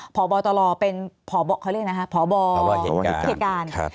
พอบอตรอลเป็นเหตุการณ์